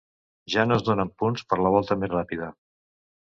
Ja no es donen punts per la volta més ràpida.